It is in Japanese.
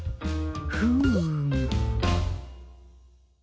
フーム。